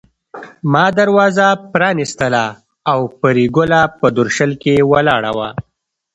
ما دروازه پرانيستله او پري ګله په درشل کې ولاړه وه